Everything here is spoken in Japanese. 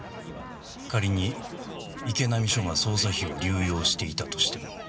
仮に池波署が捜査費を流用していたとしても。